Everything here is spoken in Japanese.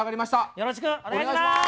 よろしくお願いします。